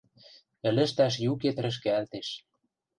Ӹлӹштӓш юкет рӹшкӓлтеш